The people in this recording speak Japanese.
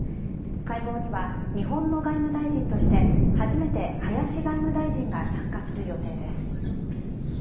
会合には日本の外務大臣として初めて林外務大臣が参加する予定です。